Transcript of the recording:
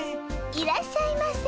いらっしゃいませ。